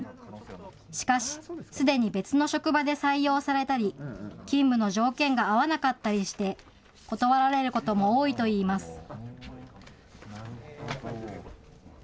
しかし、すでに別の職場で採用されたり、勤務の条件が合わなかったりして、断られることも多いといいます。